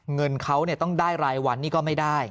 เงินเขาต้องได้รายวันนี่ก็ไม่ได้